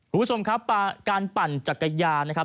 คุณผู้ชมครับการปั่นจักรยานนะครับ